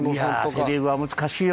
セ・リーグは難しいよ。